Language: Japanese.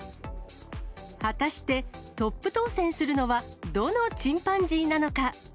果たして、トップ当選するのはどのチンパンジーなのか？